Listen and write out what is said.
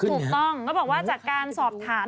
ถูกต้องเขาบอกว่าจากการสอบถาม